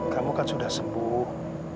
kamu kan sudah sembuh